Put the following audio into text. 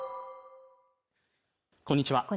こんにちは